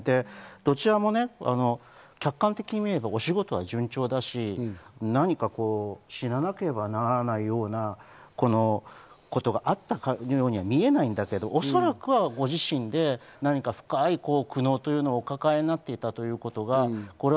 どちらも客観的に見ればお仕事は順調だし、何か死ななければならないようなことがあったようには見えないんだけれども、おそらくご自身で深い苦悩というのをお抱えになっていたという。